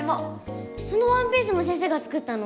そのワンピースも先生が作ったの？